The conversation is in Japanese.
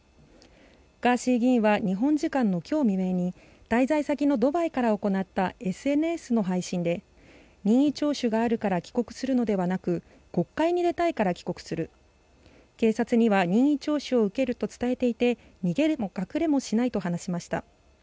ガーシー議員は日本時間の今日未明に滞在先のドバイから行ったＳＮＳの配信で任意聴取があるから帰国するのではなく、国会に出たいから帰国する警察には任意聴取を受けると伝えていて、逃げも隠れもしないと話しました。